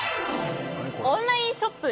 オンラインショップｅ